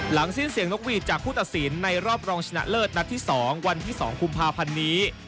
สิ้นเสียงนกหวีดจากผู้ตัดสินในรอบรองชนะเลิศนัดที่๒วันที่๒กุมภาพันธ์นี้